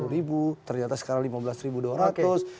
sepuluh ribu ternyata sekarang lima belas ribu